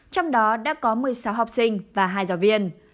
trong đó đã có một mươi sáu học sinh và hai giáo viên